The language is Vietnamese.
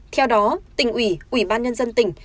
theo đó tỉnh ủy ủy ban nhân dân tỉnh